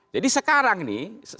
jadi sekarang nih